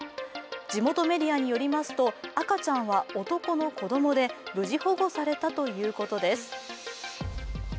地元メディアによりますと赤ちゃんは男の子供で無事保護されたということです。